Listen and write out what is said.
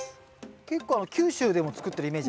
結構九州でも作ってるイメージ。